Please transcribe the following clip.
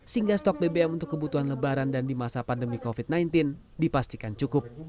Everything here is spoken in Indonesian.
sehingga stok bbm untuk kebutuhan lebaran dan di masa pandemi covid sembilan belas dipastikan cukup